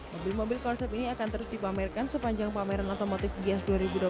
mobil mobil konsep ini akan terus dipamerkan sepanjang pameran otomotif gias dua ribu dua puluh